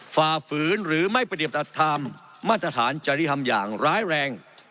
ฝ่าฝืนหรือไม่ปฏิบัติธรรมมาตรฐานจริธรรมอย่างร้ายแรง